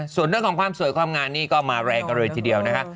ส่วนเรื่องของความสวยความงามนี่ก็มาแรงกันเลยทีเดียวนะคะ